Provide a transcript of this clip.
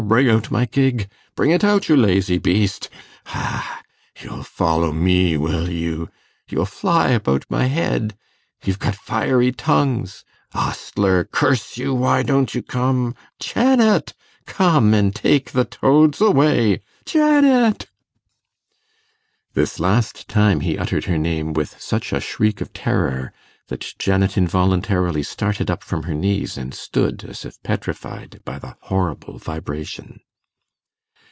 bring out my gig ... bring it out, you lazy beast ... ha! you'll follow me, will you? ... you'll fly about my head ... you've got fiery tongues ... Ostler! curse you! why don't you come? Janet! come and take the toads away ... Janet!' This last time he uttered her name with such a shriek of terror, that Janet involuntarily started up from her knees, and stood as if petrified by the horrible vibration.